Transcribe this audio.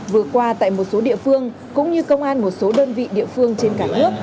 vừa qua tại một số địa phương cũng như công an một số đơn vị địa phương trên cả nước